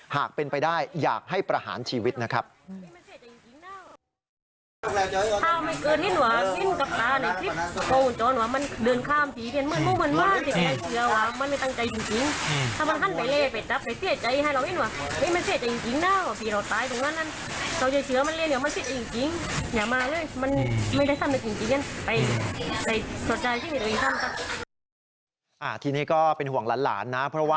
หากเป็นไปได้อยากให้ประหารชีวิตนะครับ